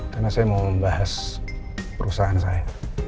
karena saya mau membahas perusahaan saya